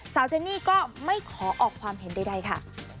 เจนี่ก็ไม่ขอออกความเห็นใดค่ะ